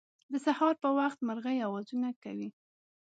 د سهار په وخت مرغۍ اوازونه کوی